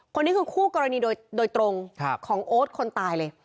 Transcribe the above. คนนี้คือคู่กรณีโดยตรงของโอ๊ตคนตายเลย